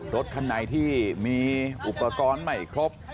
รถคันไหนที่มีอุปกรณ์ไม่ครบ